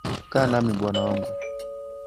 Kaa nami bwana wangu.